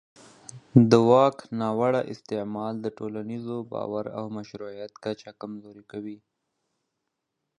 د واک ناوړه استعمال د ټولنیز باور او مشروعیت کچه کمزوري کوي